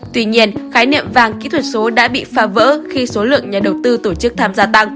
tuy nhiên khái niệm vàng kỹ thuật số đã bị phá vỡ khi số lượng nhà đầu tư tổ chức tham gia tăng